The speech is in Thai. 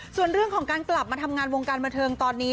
ส่วนเรื่องของการกลับมาทำงานวงการบันเทิงตอนนี้